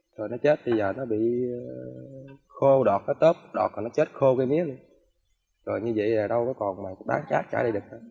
rồi nó chết bây giờ nó bị khô đọt nó tớp đọt rồi nó chết khô cái mía luôn rồi như vậy là đâu có còn bán chát trả lại được